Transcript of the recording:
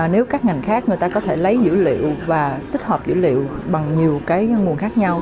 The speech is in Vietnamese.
nếu các ngành khác có thể lấy dữ liệu và tích hợp dữ liệu bằng nhiều nguồn khác nhau